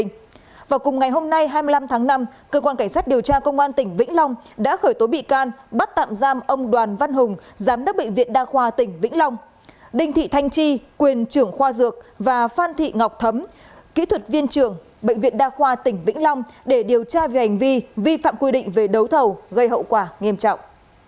ngày hai mươi năm tháng năm cơ quan cảnh sát điều tra công an tỉnh vĩnh long đã khởi tố bị can bắt tạm giam ông đoàn văn hùng giám đốc bệnh viện đa khoa tỉnh vĩnh long đinh thị thanh chi quyền trưởng khoa dược và phan thị ngọc thấm kỹ thuật viên trưởng bệnh viện đa khoa tỉnh vĩnh long để điều tra về hành vi vi phạm quy định về đấu thầu gây hậu quả nghiêm trọng